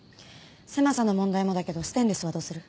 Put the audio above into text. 狭さの問題もだけどステンレスはどうする？